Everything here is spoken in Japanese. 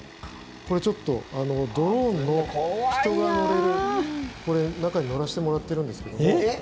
これ、ちょっとドローンの人が乗れる中に乗らせてもらってるんですが。